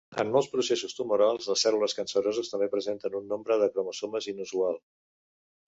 En molts processos tumorals les cèl·lules canceroses també presenten un nombre de cromosomes inusual.